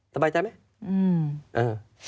สบายใจไหมเอ่อ